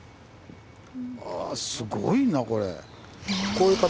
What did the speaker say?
あぁすごいなこれ。